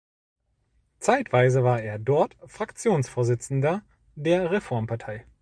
Zeitweise war er dort Fraktionsvorsitzender der Reformpartei.